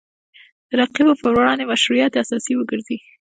د رقیبو پر وړاندې مشروعیت اساس وګرځي